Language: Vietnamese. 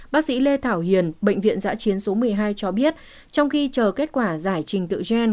bác sĩ lê thảo hiền bệnh viện giã chiến số một mươi hai cho biết trong khi chờ kết quả giải trình tự gen